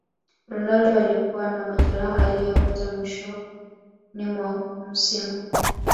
ronaldo alikuwa na majeraha aliyoyapata mwishoni mwa msimu